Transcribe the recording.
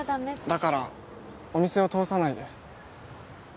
だからお店を通さないで。